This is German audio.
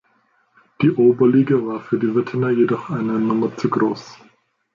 Die Oberliga war für die Wittener jedoch eine Nummer zu groß.